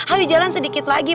ayo jalan sedikit lagi